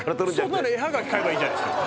そんなの絵はがき買えばいいじゃないですか。